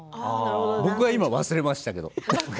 僕は忘れましたけどね。